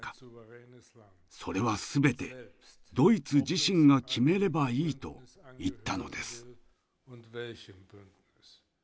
それは全てドイツ自身が決めればいいと言ったのです。